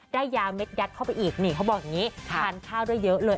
ยาเม็ดยัดเข้าไปอีกนี่เขาบอกอย่างนี้ทานข้าวได้เยอะเลย